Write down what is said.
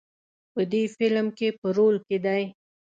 په دې فیلم کې په رول کې دی.